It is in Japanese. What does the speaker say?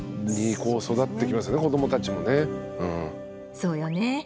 そうよね。